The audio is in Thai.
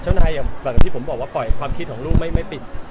นายแบบที่ผมบอกว่าปล่อยความคิดของลูกไม่ติด